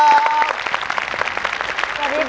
สวัสดีครับ